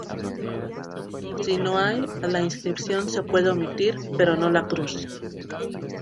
Si no hay, la inscripción se puede omitir, pero no la cruz.